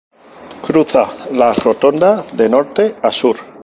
Cruza la Rotonda de norte a sur.